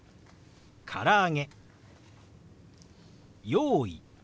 「用意」。